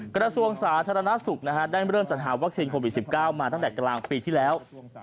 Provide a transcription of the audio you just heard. กระทรวงสาธารณสุขได้เริ่มจัดหาวัคซีนโควิด๑๙มาตั้งแต่กลางปีที่แล้ว